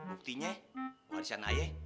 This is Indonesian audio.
buktinya warisan ayah